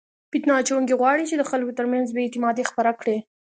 فتنه اچونکي غواړي چې د خلکو ترمنځ بې اعتمادي خپره کړي.